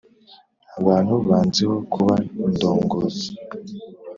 abantu banziho kuba indongozi